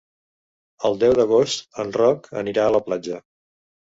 El deu d'agost en Roc anirà a la platja.